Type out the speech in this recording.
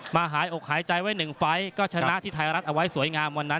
หายอกหายใจไว้หนึ่งไฟล์ก็ชนะที่ไทยรัฐเอาไว้สวยงามวันนั้น